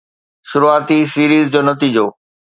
شروعاتي سيريز جو نتيجو